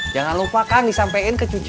jangan lupa kang disampein ke cucu